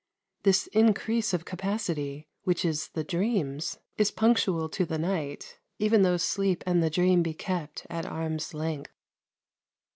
This increase of capacity, which is the dream's, is punctual to the night, even though sleep and the dream be kept at arm's length.